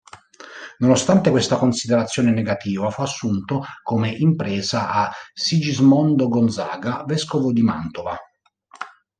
Nonostante questa considerazione negativa fu assunto come impresa a Sigismondo Gonzaga vescovo di Mantova.